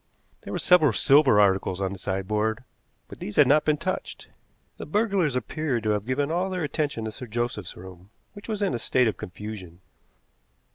There were several silver articles on the sideboard, but these had not been touched. The burglars appeared to have given all their attention to Sir Joseph's room, which was in a state of confusion.